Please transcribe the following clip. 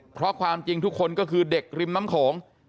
เพราะความจริงทุกคนก็คือเด็กริมน้ำโขง